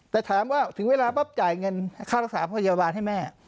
แต่ถามว่าถึงเวลาปั๊บจ่ายเงินค่ารักษาพยาบาลให้แม่